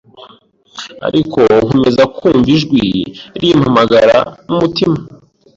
ariko nkomeza kumva ijwi rimpamagara mu mutima